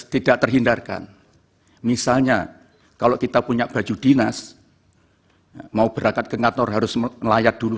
tidak terhindarkan misalnya kalau kita punya baju dinas mau berangkat ke ngatur harus melayat dulu